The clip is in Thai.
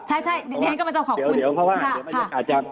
ใช่นี่ก็มันจะขอบคุณค่ะค่ะค่ะเดี๋ยวเดี๋ยวบรรยากาศจะ